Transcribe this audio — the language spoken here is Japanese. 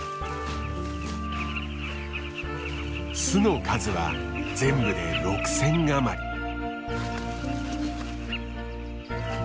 巣の数は全部で６，０００余り。